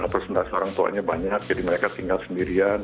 terus entah seorang tuanya banyak jadi mereka tinggal sendirian